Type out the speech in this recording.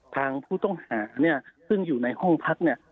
ทางผู้ต้องหาเนี่ยซึ่งอยู่ในห้องพักเนี่ย